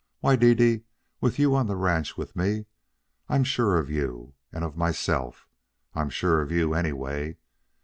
Why, Dede, with you on the ranch with me, I'm sure of you and of myself. I'm sure of you, anyway.